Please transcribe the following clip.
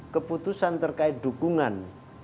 keputusan terkait dukungan